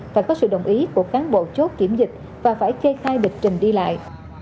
phải có sự đồng ý của cán bộ chốt kiểm dịch và phải kê khai lịch trình đi lại